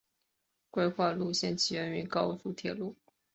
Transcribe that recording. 规划路线起于高铁路和重和路口路口。